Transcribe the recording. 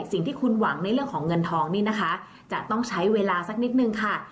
สิ่งที่คุณหวังในเรื่องของเงินทองนี่นะคะจะต้องใช้เวลาสักนิดนึงค่ะ